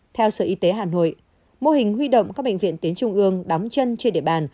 theo sở y tế hà nội mô hình huy động các bệnh viện tuyến trung ương đóng chân trên địa bàn